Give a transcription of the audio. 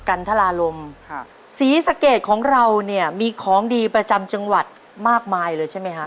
กันทราลมฮะศรีสะเกดของเราเนี่ยมีของดีประจำจังหวัดมากมายเลยใช่ไหมฮะ